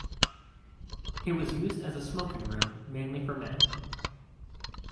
It was used as a smoking room mainly for men.